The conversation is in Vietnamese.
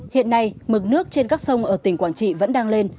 hiện nay mực nước trên các sông ở tỉnh quảng trị vẫn đang lên